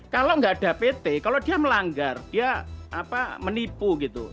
kalau nggak ada pt kalau dia melanggar dia menipu gitu